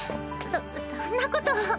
そそんなこと。